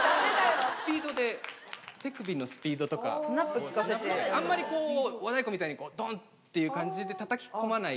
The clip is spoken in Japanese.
スピードで、手首のスピードとかスナップきかせて、あんまりこう、和太鼓みたいに、どんっていう感じにたたき込まない。